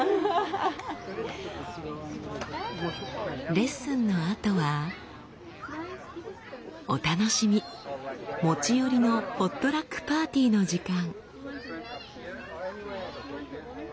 レッスンのあとはお楽しみ持ち寄りのポットラックパーティーの時間。